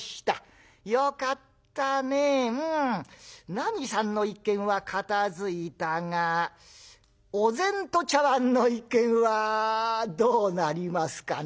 なみさんの一件は片づいたがお膳と茶碗の一件はどうなりますかな？」。